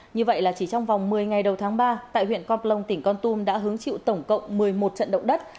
như vậy là chỉ trong vòng một mươi ngày đầu tháng ba tại huyện con plong tỉnh con tum đã hứng chịu tổng cộng một mươi một trận động đất